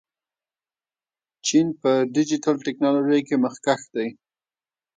چین په ډیجیټل تکنالوژۍ کې مخکښ دی.